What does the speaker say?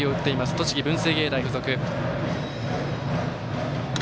栃木、文星芸大付属。